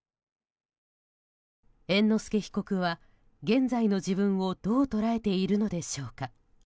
猿之助被告は現在の自分をどう捉えているのでしょうか。